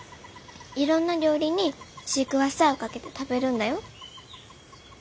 いろんな料理にシークワーサーをかけて食べるんだよ。